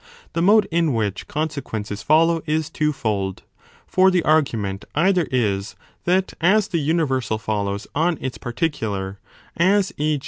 The mode in which consequences follow is two fold. For the argument either is that as the universal follows on its particular as (e.